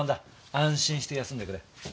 安心して休んでくれ。